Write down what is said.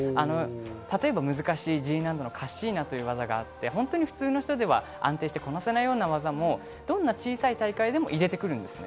例えば難しいＧ難度のカッシーナという技があって普通の人では安定してこなせない技でもどんな小さい大会でも入れてくるんですね。